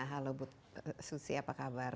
halo bu susi apa kabar